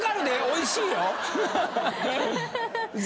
おいしいよ。